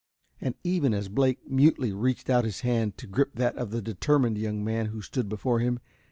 And even as Blake mutely reached out his hand to grip that of the determined young man who stood before him.